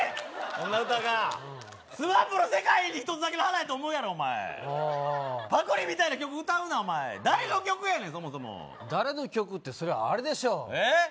そんな歌がＳＭＡＰの「世界に一つだけの花」やと思うやろお前パクりみたいな曲歌うなお前誰の曲やねんそもそも誰の曲ってそれあれでしょえっ？